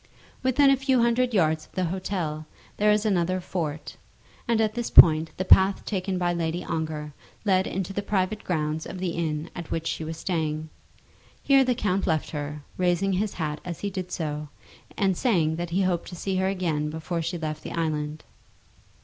Within a few hundred yards of the hotel there is another fort, and at this point the path taken by Lady Ongar led into the private grounds of the inn at which she was staying. Here the count left her, raising his hat as he did so, and saying that he hoped to see her again before she left the island.